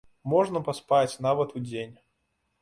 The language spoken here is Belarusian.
Можна паспаць, нават удзень!